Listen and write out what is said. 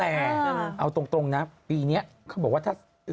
แต่เอาตรงนะปีนี้เขาบอกว่าถ้า